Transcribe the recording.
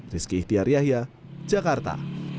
rizky ihtiar yahya jakarta